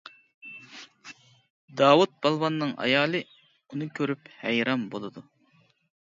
داۋۇت پالۋاننىڭ ئايالى ئۇنى كۆرۈپ ھەيران بولىدۇ.